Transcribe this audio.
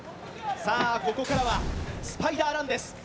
ここからはスパイダーランです。